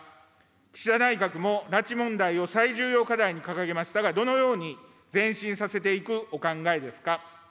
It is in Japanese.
岸田内閣も拉致問題を最重要課題に掲げましたが、どのように前進させていくお考えですか。